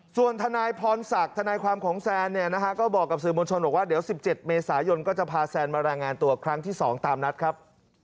ส่วนทนายพรศักดิ์ทนายความของแซนเนี่ยนะฮะก็บอกกับสื่อมวลชนบอกว่าเดี๋ยว๑๗เมษายนก็จะพาแซนมารายงานตัวครั้งที่๒ตามนัดครับ